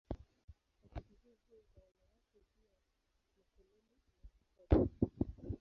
Wakati huohuo utawala wake juu ya makoloni ulianza kuporomoka.